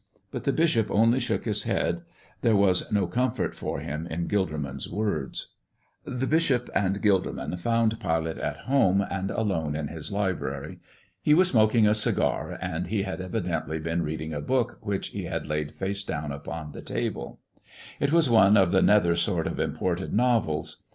But the bishop only shook his head; there was no comfort for him in Gilderman's words. The bishop and Gilderman found Pilate at home and alone in his library. He was smoking a cigar, and he had evidently been reading a book which he had laid face down upon the table. It was one of the nether sort of imported novels.